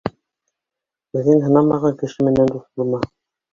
Үҙең һынамаған кеше менән дуҫ булма.